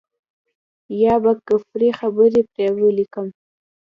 يا به کفري خبرې پرې وليکم.